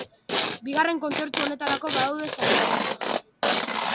Bigarren kontzertu honetarako badaude sarrerak salgai.